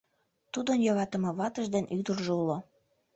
Тудын йӧратыме ватыж ден ӱдыржӧ уло.